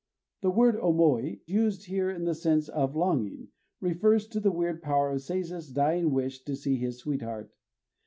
The word omoi, used here in the sense of "longing," refers to the weird power of Seiza's dying wish to see his sweetheart.